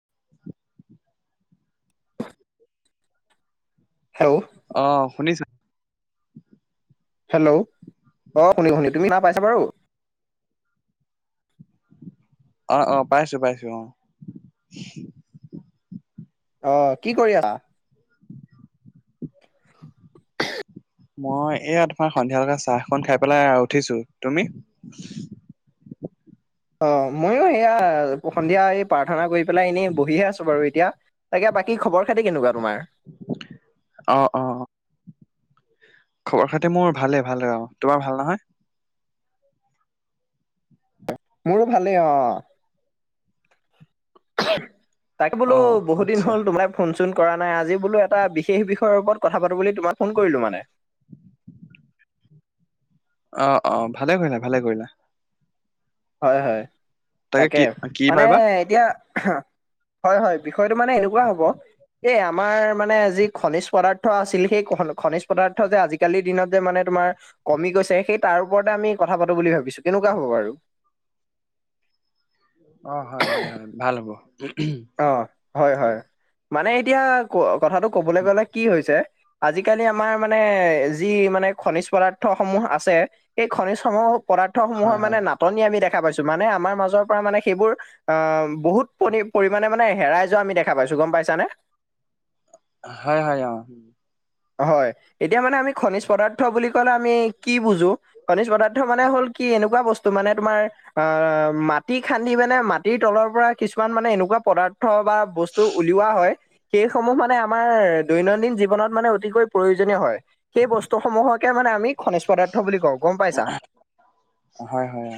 [inaudible] Hello ', অ, শুনিছো। Hello, অ, শুনি-শুনি তুমি শুনা পাইছা বাৰু। অ', অ', পাইছো-পাইছো অ, অ, কি কৰি আহা? [unintelligible] মই এয়া তোমাৰ সন্ধিয়া লগে চাহখন খাই পেলাই উঠিছো, তুমি? অ, মইয়ো এয়া সন্ধিয়া এই প্ৰাৰ্থনা কৰি পেলাই এনেই বহিহে আছো বাৰু এতিয়া। তাকে বাকী খবৰ খাতি কেনেকুৱা তোমাৰ? অ', অ', খবৰ খাতি মোৰ ভালে - ভালে আৰু তোমাৰ ভাল নহয়। মোৰো ভালেই অ, তাকে বোলো অ বহুত দিন আচ্ছা হ'ল তোমাৰ ফোন চোন কৰা নাই আজি বোলো এটা বিশেষ বিষয়ৰ ওপৰত কথা পাতো বুলি তোমাক ফোন কৰিলো মানে। অ অ ভালে কৰিলা, ভালে কৰিলা। হয় হয় তাকে কি কি মানে ভাবিবা এতিয়া হয় হয় বিষয়টো মানে এনেকুৱা হ'ব এই আমাৰ মানে যি খনিজ পদাৰ্থ আছিল সেই খনিজ পদাৰ্থ যে আজিকালিৰ দিনত যে মানে তোমাৰ কমি গৈছে সেই তাৰ ওপৰতে আমি কথা পাতো বুলি ভাবিছোঁ, কেনেকুৱা হ'ব বাৰু? অ হয় হয় হয় ভাল হ'ব। অ হয় হয় মানে এতিয়া ক কথাটো ক'বলৈ গ'লে কি হৈছে আজিকালি আমাৰ মানে যি মানে খনিজ পদাৰ্থ সমূহ আছে এই খনিজ সমূহ পদাৰ্থ সমূহৰ হয় হয় মানে নাপ- টনি আমি দেখা পাইছো মানে আমাৰ মাজৰ পৰা মানে সেইবোৰ আহ বহুত প- পৰিমানে মানে হেৰাই যোৱা আমি দেখা পাইছো গম পাইছানে। হয় হয় অ। হয় এতিয়া মানে আমি খনিজ পদাৰ্থ বুলি কলে আমি কি বুজোঁ খনিজ পদাৰ্থ মানে হল কি এনেকুৱা বস্তু মানে তোমাৰ অ মাটি খান্দি মানে মাটিৰ তলৰ পৰা কিছুমান মানে এনোক- এনেকুৱা পদাৰ্থ বা বস্তু উলিওৱা হয়। সেই সমূহ মানে আমাৰ দৈনন্দিন জীৱনত মানে অতিকৈ প্ৰয়োজনীয় হয়। সেই বস্তু সমূহকে মানে আমি খনিজ পদাৰ্থ বুলি কও গম পাইছা। অ হয় হয় অ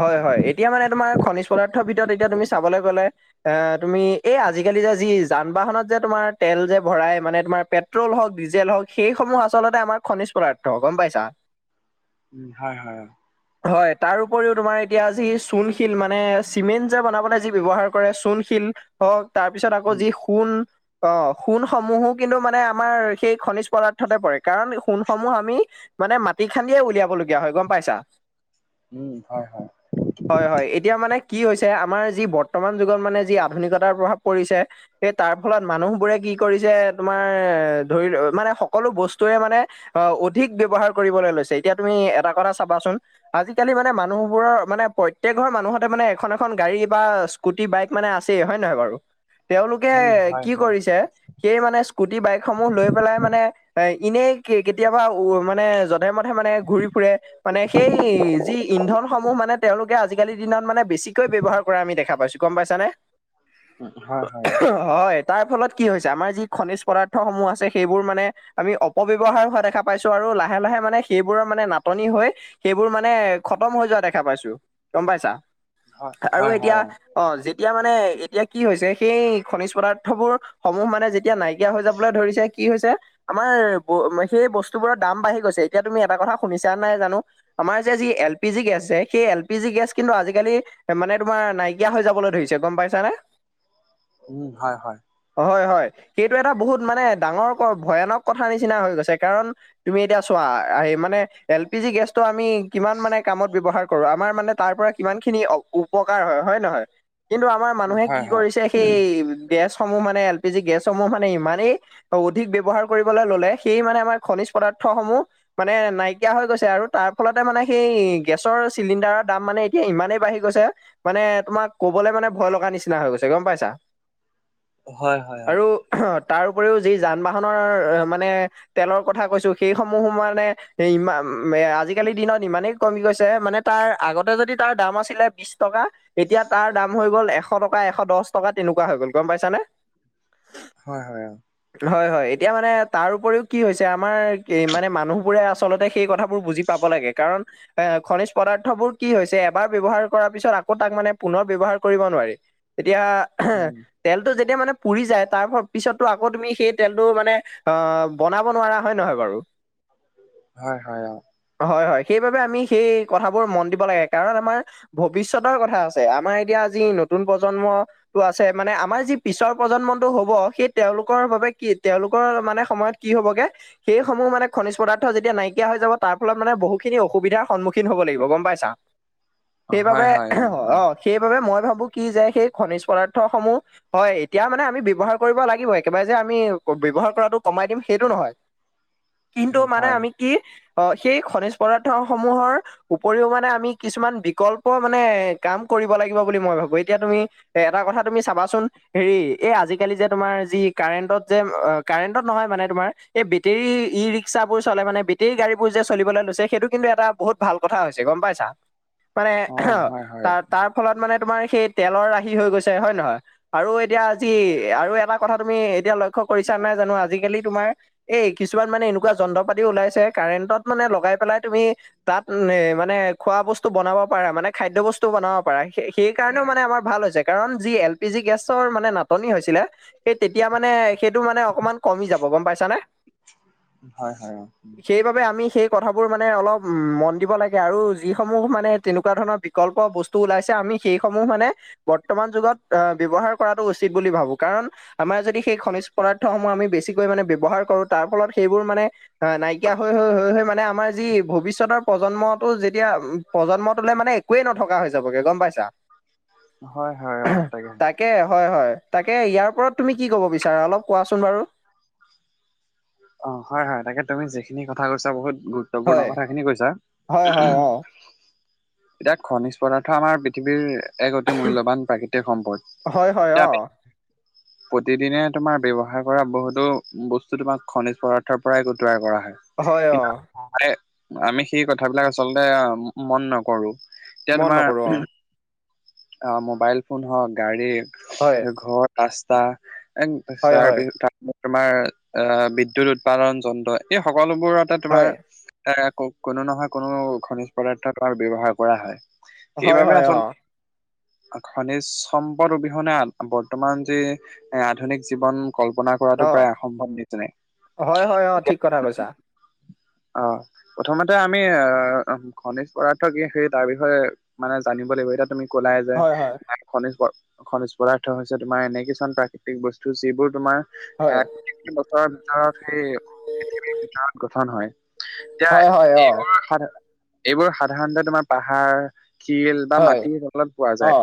হয় হয় এতিয়া মানে তোমাৰ খনিজ পদাৰ্থৰ ভিতৰত এতিয়া তুমি চাবলে গ'লে এ তুমি এই আজিকালি যে যি যান বাহনত যে তোমাৰ তেল যে ভৰাই মানে তোমাৰ পেট- ট্ৰল হওঁক, ডিজেল হওঁক, সেইসমূহ আচলতে আমাৰ খনিজ পদাৰ্থ গম পাইছা। ওম হয় হয়। হয় তাৰ উপৰিও তোমাৰ এতিয়া যি চূণশিল মানে চিমেন্ট যে বনাবে যি ব্যৱহাৰ কৰে। চূ- তূণশিল হওঁক তাৰপিছত আকৌ উম যি সোণ, অ সোণসমূহো কিন্তু মানে আমাৰ সেই খনিজ পদাৰ্থতে পৰে কাৰণ সোণসমূহ আমি মানে মাটি খান্দি উলিয়াব লগীয়া হয় গম পাইছা? উম, হয় হয়। হয় হয় এতিয়া মানে কি হৈছে আমাৰ যি বৰ্তমান যুগত মানে যি আধুনিকতাৰ প্ৰভাৱ পৰিছে সেই তাৰ ফলত মানুহ বোৰে কি কৰিছে তোমাৰ ধৰি মানে সকলো বস্তুৱে মানে অ অধিক ব্যৱহাৰ কৰিবলৈ লৈছে এতিয়া তুমি এটা কথা চাবাচোন। আজিকালি মানে মানুহবোৰৰ মানে প্ৰত্যয়েক ঘৰ মানুহতে মানে এখন এখন গাড়ী বা স্কুটি বাইক মানে আছে হয় নহয় বাৰু তেওঁলোকে উম হয় কি হয় কৰিছে সেই মানে স্কু- টি বাইকসমূহ লৈ পেলাই মানে এ এনেই কেতিয়াবা উ মানে যধে মধে মানে ঘূৰি ফুৰে। মানে সেই যি ইন্ধনসমূহ মানে তেওঁলোকে আজিকালি দিনত মানে বেছিকৈ ব্যৱহাৰ কৰা আমি দেখা পাইছো গম পাইছানে? ওম হয় হয় অ। হয় তাৰ ফলত কি হৈছে আমাৰ যি খনিজ পদাৰ্থ সমূহ আছে সেইবোৰ মানে আমি অপব্যৱহাৰ হোৱা দেখা পাইছো আৰু লাহে লাহে মানে সেইবোৰৰ মানে নাটনি হৈ সেইবোৰ মানে খতম হৈ যোৱা দেখা পাইছো, গম পাইছা। হয় আৰু হয় এতিয়া হয় অ যেত- এতিয়া মানে এতিয়া কি হৈছে সেই খনিজ পদাৰ্থ বোৰ সমূহ মানে যেতিয়া নাইকিয়া হৈ যাবলৈ ধৰিছে কি হৈছে আমাৰ সেই বস্তু বোৰৰ দাম বাঢ়ি গৈছে। এতিয়া তুমি এটা কথা শুনিছা নাই জানো। আমাৰ যে যি এল পি জি গেছ আছে সেই এল পি জি গেছ কিন্তু আজিকালি মানে তোমাৰ নাইকিয়া হৈ যাবলৈ ধৰিছে গম পাইছানে? উম, হয় হয়। হয়, হয় সেইটো এটা বহুত মানে ডাঙৰ ভয়ানক কথাাৰ নিচিনা হৈ গৈছে কাৰণ তুমি এতিয়া চোৱা আহ মানে এল পি জি গেছটো আমি কিমান মানে কামত ব্যৱহাৰ কৰো আমাৰ মানে তাৰ পৰা কিমান খিনি অ উপকাৰ হয় হয় নহয়? কিন্তু আমাৰ মানুহে হয় হয় কি হয় হয় কৰিছে সেই গেছসমূহ মানে এল পি জি গেছসমূহ মানে ইমানেই অধিক ব্যৱহাৰ কৰিবলৈ ললে সেই মানে আমাৰ খনিজ পদাৰ্থসমূহ মানে নাইকিয়া হৈ গৈছে আৰু তাৰ ফলতে মানে সেই গেছৰ চিলিণ্ডাৰৰ দাম মানে এতিয়া ইমানেই বাঢ়ি গৈছে। মানে তোমাক কবলৈ মানে ভয় লগা নিচিনা হৈ গৈছে গম পাইছা। অ হয় হয় আৰু অ, তাৰ উপৰিও যি যান বাহনৰ মানে তেলৰ কথা কৈছো সেইসমূহো মানে ইমান এ আজিকালিৰ দিনত ইমানেই কমি গৈছে মানে তাৰ আগতে যদি তাৰ দাম আছিলে বিশ টকা তেতিয়া তাৰ দাম হৈ গ'ল এশ টকা, এশ দহ টকা তেনেকুৱা হৈ গ'ল গম পাইছা নে? হয়, হয় অ। হয়, হয় এতিয়া মানে তাৰ উপৰিও কি হৈছে আমাৰ মানে মানুহবোৰে আচলতে সেই কথা বোৰ বুজি পাব লাগে কাৰণ এ খনিজ পদাৰ্থ বোৰ কি হৈছে এবাৰ ব্যৱহাৰ কৰাৰ পিছত আকৌ তাক মানে পুনৰ ব্যৱহাৰ কৰিব নোৱাৰি। এতিয়া উম তেলটো যেতিয়া মানে পুৰি যায় তাৰ পিছতো আকৌ তুমি সেই তেলটো মানে অ, বনাব নোৱাৰা হয় নহয় বাৰু। হয়, হয় অ। হয়, হয় সেইবাবে আমি সেই কথাবোৰ মন দিব লাগে কাৰণ আমাৰ ভৱিষ্যতৰ কথা আ ছে আমাৰ এতিয়া আজি নতুন প্ৰজন্ম টো আছে মানে আমাৰ যি পিছৰ প্ৰজন্মটো হ'ব সেই তেলোকৰ বাবে কি তেওঁলোকৰ মানে সময়ত কি হ'বগে সেইসমূহ মানে খনিজ পদাৰ্থ যেতিয়া নাইকিয়া হৈ যাব তাৰ ফলত মানে বহুখিনি অসুবিধাৰ সন্মূখীন হব লাগিব গম পাইছা? অ হয় সেইবাবে হয় উম, অ, সেইবাবে মই ভাবো কি যে সেই খনিজ পদাৰ্থ সমূহ হয়, এতিয়া মানে আমি ব্যৱহাৰ কৰিব লাগিব একেবাৰে যে আমি ব্যৱহাৰ কৰাটো কমাই দিম সেইটো নহয়। কিন্তু উম, মানে হয় আমি হয় কি অ সেই খনিজ পদাৰ্থ সমূহৰ উপৰিও মানে আমি কিছুমান বিকল্প মানে কাম কৰিব লাগিব বুলি মই ভাবো এতিয়া তুমি এটা কথা তুমি চাবাচোন হেৰি এই আজিকালি যে তোমাৰ যি কাৰেণ্টত যে কাৰেণ্টত নহয় মানে তোমাৰ এই বেটেৰী ই ৰিক্সাবোৰ চলে মানে বেটেৰিৰ গাড়ীবোৰ যে চললৈ লৈছে সেইটো কিন্তু এটা বহুত ভাল কথা হৈছে গম পাইছা? মানে অ আহ হয় হয় তাৰ তাৰ ফলত মানে তোমাৰ সেই তেলৰ ৰাহি হৈ গৈছে হয় নহয়। আৰু এতিয়া আজি আৰু এটা কথা তুমি এতিয়া লক্ষ্য কৰিছা নাই জানো আজিকালি তোমাৰ এই কিছুমান মানে এনেকুৱা যন্ত্ৰ পাতিও ওলাইছে কাৰেণ্টত মানে লগাই পেলাই তুমি তাত এ মানে খোৱা বস্তু বনাব পাৰা মানে খাদ্য বস্তুও বনাব পাৰা সেই সেই কাৰণেও মানে আমাৰ ভাল হৈছে কাৰণ যি এল পি জি গেছৰ মানে নাটনি হৈছিলে। সেই তেতিয়া মানে সেইটো মানে অকমান কমি যাব গম পাইছানে? হয় হয়। সেইবাবে আমি সেই কথাবোৰ মানে অলপ মন দিব লাগে আৰু যিসমূহ মানে তেনেকুৱা ধৰণৰ বিকল্প বস্ টো ওলাইছে আমি সেইসমূহ মানে বৰ্তমান যুগত আহ ব্যৱহাৰ উচিত বুলি ভাবো কাৰণ আমাৰ যদি সেই খনিজ পদাৰ্থসমূহ আমি বেছিকৈ মানে ব্যৱহাৰ কৰোঁ তাৰ ফলত সেইবোৰ মানে অ নাইকিয়া হৈ হৈ হৈ হৈ মানে আমাৰ যি ভৱিষ্যতৰ প্ৰজন্মটো যেতিয়া প্ৰজন্মটোলৈ মানে একোৱে নথকা হৈ যাবগে গম পাইছা হয় হয় অ তাকে তাকে হয় হয় তাকে ইয়াৰ ওপৰত তুমি কি ক'ব বিচাৰা অলপ কোৱাচোন বাৰু অ হয় হয় তাকে তুমি যিখিনি কথা কৈছা বহুত গুৰুত পূৰ্ণ হয় কথাখিনি কৈছা হয় হয় অ এতিয়া খনিজ পদাৰ্থ আমাৰ পৃথিৱীৰ এক অতি মূল্যবান প্ৰাকৃতিক সম্পদ হয় হয় এতিয়া অ আমি প্ৰতিদিনে তোমাৰ ব্যাৱহাৰ কৰা বহুতো বস্তু তোমাক খনিজ পদাৰ্থৰ পৰাই আকৌ তৈয়াৰ কৰা হয় হয় অ আৰে আমি সেই কথাবিলাক আচলতে মন নকৰো এতিয়া মন নকৰো অ তোমাৰ অ, মোবাইল ফোন হওঁক গাড়ী হয়। ঘৰ ৰাস্তা এ হয় হয় তাৰপিছত তাৰ তোমাৰ এ বিদ্যুৎ উৎপাদন যন্ত্ৰ এই সকলোবোৰতে তোমাৰ এ কোনো নহয় কোনো খনিজ পদাৰ্থতাৰ ব্যৱহাৰ কৰা হয়। হয়- সেইবাবে হয় অ। আচল খনিজ সম্পদ অবিহনে বৰ্তমান যে এ আধুনিক জীৱন কল্পনা কৰাটো অ প্ৰায় অসম্ভৱ নিচিনাই। হয় -হয় অ, ঠিক কথা কৈছা। অ, প্ৰথমতে আমি আহ খনিজ পদাৰ্থ কি সেই তাৰ বিষয়ে মানে জানিব লাগিব এতিয়া তুমি ক'লাই যে হয় হয় খনিজ -খনিজ পদাৰ্থ হৈছে তোমাৰ এনে কিছুমান প্ৰাকৃতিক বস্তু যিবোৰ তোমাৰ হয় এ [unintelligible] বছৰৰ ভিতৰত সেই পৃথিৱীৰ ভিতৰত গঠন হয়। এতিয়া হয় হয় অ এইবোৰ সাধ এইবোৰ সাধাৰণতে তোমাৰ পাহাৰ শিল বা হয় মাটিৰ [unintelligible] পোৱা অ যায়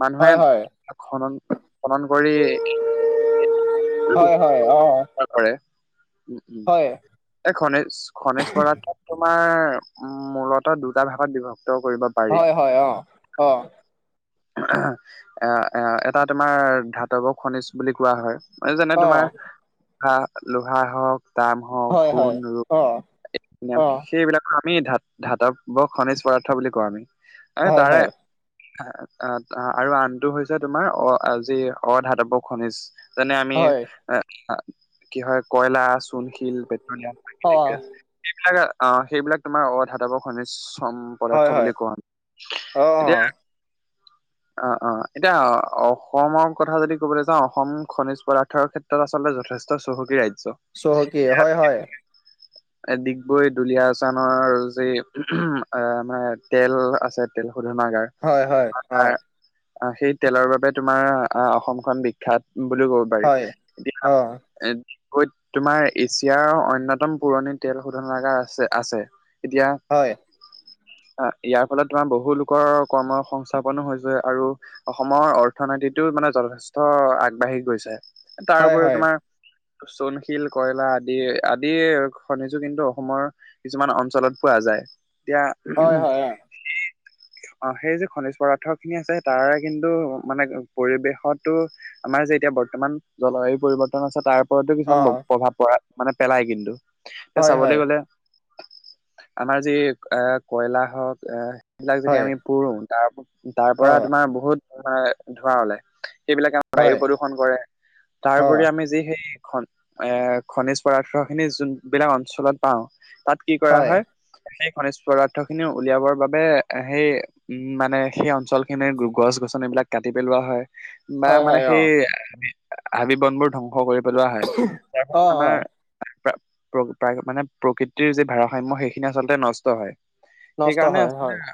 মানুহে হয় হয় খনন খনন কৰি [unintelligible] হয় হয় অ, কৰে উম - উম হয় এ খনিজ খনিজ পদাৰ্থ তোমাৰ মূলত দুটা ভাগত বিভক্ত কৰিব। পাৰি হয়- হয় অ', অ',। এ, এ এটা তোমাৰ ধাতৱ খনিজ বুলি কোৱা হয় এ যেনে অ তোমাৰ হা লোহা হওঁক তাম অহ, হয় হয় সোণ, ৰূপ অ অ [unintelligible] সেইবিলাক আমি ধাত -ধাতব খনিজ পদাৰ্থ বুলি কওঁ আমি- আমি হয় তাৰে হয় অ', অ', আৰু আনটো হৈছে তোমাৰ অ, আজি অধাতৱ খনিজ। যেনে আমি হয় এ কি হয় কয়লা, চুণশিল, পেট্ৰলিয়াম বাকি অ ঠিকে আছে সেইবিলাক অ, সেইবিলাক তোমাৰ অধাতব খনিজ শ্ৰম হয় পদাৰ্থ হয় বুলি কও আমি। অ এতিয়া অ', অ', এতিয়া অসমৰ কথা যদি ক'বলে যাওঁ অসম খনিজ পদাৰ্থৰ ক্ষেত ত্ৰত আচলতে যথেষ্ট চহকী ৰাজ্য। চহকী হয়- হয়। এ ডিগবৈ, দুলিয়াজান ৰ যে [unintelligible] তেল আছে তেল শোধনাগাৰ হয় হয় অ [unintelligible] সেই তেলৰ বাবে তোমাৰ আহ, অসমখন বিখ্যাত বুলি ক'ব পাৰি হয় [unintelligible] অ ডিগবৈত তোমাৰ এছিয়াৰ অন্যতম পুৰণি তেল শোধনাগাৰ আছে -আছে এতিয়া হয়। অ, ইয়াৰ ফলত তোমাৰ বহু লোকৰ কৰ্ম সংস্থ স্থাপনো হৈছে আৰু অসমৰ অৰ্থনৈতিটো মানে যথেষ্ট আগবাঢ়ি গৈছে। এ হয় তাৰপৰিও হয় তোমাৰ চোণশিল, কয়লা আদিয়ে - আদিয়ে খনিজো কিন্তু অসমৰ কিছুমান অঞ্চলত পোৱা যায় এতিয়া হয় হয় সেই- সেই যে খনিজ পদাৰ্থ খিনি আছে তাৰে কিন্তু মানে পৰিৱেশতো আমাৰ যে এতিয়া বৰ্তমান জলবায়ু পৰিৱৰ্তন আছে তাৰ ওপৰতো অ কিছুমান প্ৰভাৱ পৰা মানে পেলায় কিন্তু এতিয়া হয় চাবলৈ হয় গ'লে আমাৰ যি এ কয়লা হওক আহ সেইবিলাক যদি হয় আমি পুৰো তাৰ- তাৰ অ পৰা তোমাৰ বহুত [unintelligible] ধোঁৱা ওলাই এইবিলাক বায়ু হয় প্ৰদূষন কৰে অ তাৰউপৰি আমি যি সেই খন এ খনিজ পদাৰ্থ খিনি যোন বিলাক অঞ্চলত পাওঁ তাত কি কৰা হয় সেই খনিজ পদাৰ্থ খিনি উলিয়াবৰ বাবে সেই উম, মানে সেই অঞ্চল খিনিৰ গছনি বিলাক কাটি পেলোৱা হয় বা হয় মানে হয় অ'। সেই হাবি বন বোৰ ধ্বংস কৰি পেলোৱা হয়। তাৰ অ', পিছত আমাৰ অ', মানে প্ৰকৃতিৰ যি ভাৰসাময় সেইখিনি আচলতে নষ্ট হয়। নষ্ট সেইকাৰণে হয় হয়। আচতে,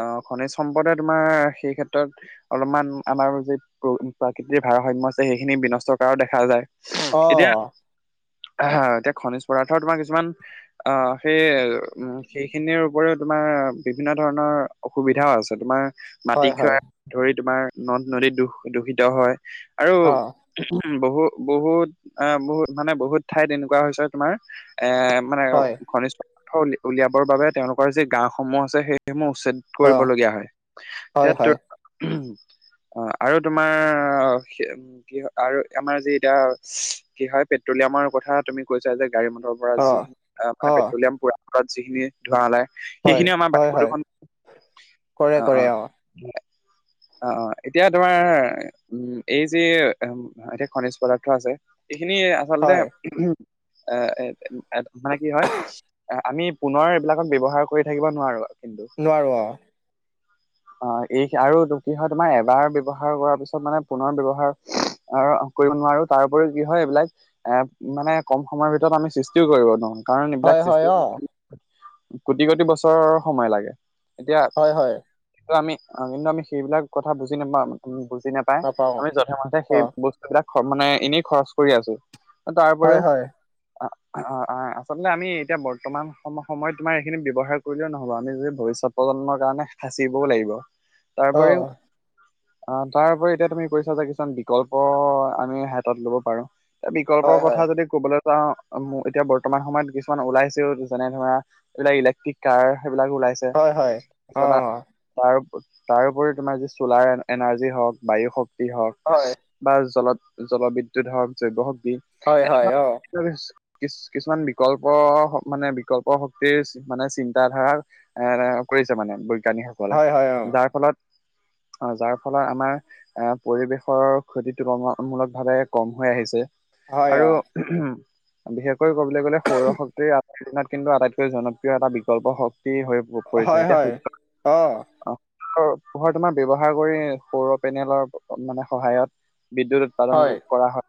অ খনিজ সম্পদে তোমাৰ সেই ক্ষেত্ৰত অলপমান আমাৰ যি প্ৰাকৃতিৰ ভাৰসাম্য আছে, সেইখিনি বিনষ্ট কৰা দেখা যায়। এতিয়া অ', আহ'আ, এতিয়া খনিজ পদাৰ্থ তোমাৰ কিছুমান অ সেই উ সেইখিনিৰ ওপৰিও তোমাৰ বিভিন্ন ধৰণৰ অসুবিধাও আছে। তোমাৰ মাটি হয় হয়। খ্যয় ধৰি তোমাৰ নদ-নদী দষ দূষিত হয় আৰু অ', বহুত বহুত আহ বহুত মানে বহুত ঠাইত এনেকুৱা হৈছে তোমাৰ, এ মানে হয়। ঘনিষ্ঠ পদাৰ উলিয়াবৰ বাবে তেওঁলোকৰ যি গাঁওসমূহ আছে, সেইসমূহ উচ্ছেদ অ', কৰিবলগীয়া হয়। হয় হয়। তাত উ অ আৰু তোমাৰ কি হয় আৰু আমাৰ যি এতিয়া কি হয় পেট্ৰলিয়ামৰ কথা তুমি কৈছা যে, অ', গাড়ী-মটৰ যি মানে অ', পেট্ৰলিয়াম পুৰাত যিখিনি ধোৱ ওলাই হয় সেইখিনি আমাৰ হয় হয়। বায়ুপদূৰষণ কৰে অ অ, কৰে অ অ এতিয়া তোমাৰ উ এই যি এতিয়া খনিজ পদাৰ্থ আছে। এইখিনি আচলতে হয়। এ মানে কি হয়! আমি পুনৰ এইবিলাকত ব্যৱহাৰ কৰি থাকিব নোৱাৰো কিন্তু। নোৱাৰো অ', অ এই আৰু কি হয় তোমাৰ এবাৰ ব্যৱহাৰ কৰাৰ পিছত মানে পুনৰ ব্যৱহাৰ কৰিব নোৱাৰো। তাৰপৰিও কি হয় এইবিলাক এ মানে কম সময়ৰ ভিতৰত আমি সৃষ্টিও কৰিব নোৱাও। কাৰণ এইবিলা হয় হয় অ', সূষ্টি কোটি কোটি বছৰৰ সময় লাগে। এতিয়া হয় হয়। আমি কিন্তু আমি সেইবিলাক কথা বুজি নাপাওঁ, বুজি নাপ পাই নাপাওঁ আমি যধে মথে সেই অ', বস্তু বিলাক মানে এনেই খৰচ কৰি আছো। হয় তাৰপৰেও হয়। অ অ অ, আচলতে আমি এতিয়া বৰ্তমান সম সময়ত তোমাৰ এইখিনি ব্যৱহাৰ কৰিলেও নহব। আমি যদি ভৱিষ্যত প্ৰজন্মৰ কাৰণে সাঁচিবও লাগিব। অ', তাৰপৰিও অ তাৰপৰিও এতিয়া তুমি কৈছা যে, কিছুমান বিকল্প আমি হাতত লব পাৰো। বিকল্পৰ হয় কথা হয়। যদি কবলৈ যাওঁ, ম এতিয়া বৰ্তমান সময়ত কিছুমান ওলাইছো যেনে ধৰা, এইবিলাক ইলেক্ট্ৰিক কাৰ সেইবিলাক ওলাইছে, হয় হয়। অ', তাৰ তাৰ ওপৰি তোমাৰ যি চলাৰ এনাৰ্জি হওক, বায়ু শক্তি হওক, হয়। বা জলত জলবিদ্যুৎ হওক, জৈৱ শক্ত। হয় হয় অ। কিছুমান বিকল্প মানে বিকল্প শক্তিৰ মানে চিন্ত ধাৰাৰ এ কৰিছে মানে বৈজ্ঞানিকস হয় হয় অ। তাৰ ফলত অ, যাৰ ফলত আমাৰ আহ পৰিৱেশৰ ক্ষতি তুলনামূলক ভাৱে কম হৈ আহিছে হয় আৰু অ', উহু, বিশেষকৈ ক'বলৈ গ'লে সৌৰ শক্তিৰ দিনত কিন্তু আটাইতকৈ জনপ্ৰিয় এটা বিকল্প শক্তি হৈ পৰিছে হয় হয়, অঁ। পোহৰত তোমাৰ ব্যৱহাৰ কৰি সৌৰ পেনেলৰ মানে সহায়ত, বিদ্যুত উৎপাদন হয়। কৰা হয়।